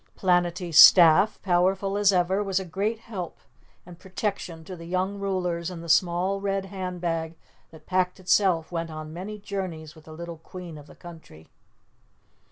Planetty's staff, powerful as ever, was a great help and protection to the young rulers and the small red hand bag that packed itself went on many journeys with the little Queen of the country.